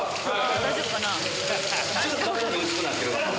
大丈夫かな？